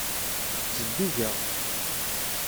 Zeddigeɣ.